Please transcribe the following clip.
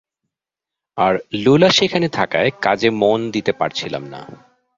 আর Lola সেখানে থাকায়, কাজে মন দিতে পারছিলাম না।